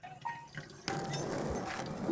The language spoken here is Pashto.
د خپل نظر د تائید لپاره کوم دلیل وړاندې کوي؟